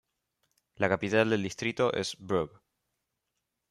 La capital del distrito es Brugg.